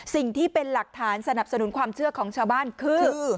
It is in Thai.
สิ่งที่เป็นหลักฐานสนับสนุนความเชื่อของชาวบ้านคือ